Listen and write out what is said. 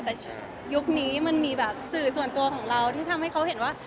แต่ยุคนี้มันมีแบบสื่อส่วนตัวของเราที่ทำให้เขาเห็นว่า